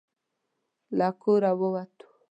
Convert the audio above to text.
له کوره ووتو.